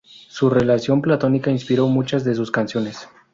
Su relación platónica inspiró muchas de sus canciones.